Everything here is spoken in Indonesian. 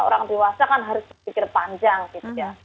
orang dewasa kan harus berpikir panjang gitu ya